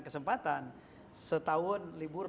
kesempatan setahun libur